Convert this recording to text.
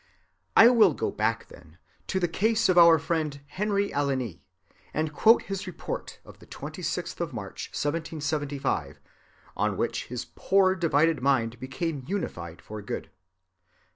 I will go back, then, to the case of our friend Henry Alline, and quote his report of the 26th of March, 1775, on which his poor divided mind became unified for good.